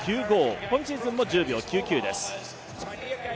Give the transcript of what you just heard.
今シーズンも１０秒９９です。